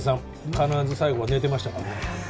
必ず最後は寝てましたからね